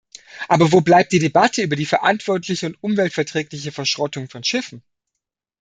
Aber wo bleibt die Debatte über die verantwortliche und umweltverträgliche Verschrottung von Schiffen?